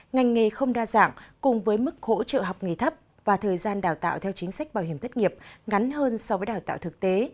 ngành nghề không đa dạng cùng với mức hỗ trợ học nghề thấp và thời gian đào tạo theo chính sách bảo hiểm thất nghiệp ngắn hơn so với đào tạo thực tế